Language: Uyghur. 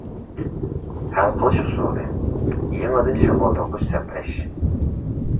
ھەل قىلىش ئۇسۇلى : يېڭىدىن شامالدۇرغۇچ سەپلەش.